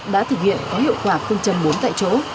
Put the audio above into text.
đã thực hiện có hiệu quả phương châm bốn tại chỗ